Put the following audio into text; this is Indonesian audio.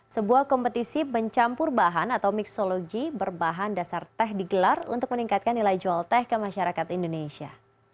sebuah kompetisi pencampur bahan atau mixologi berbahan dasar teh digelar untuk meningkatkan nilai jual teh ke masyarakat indonesia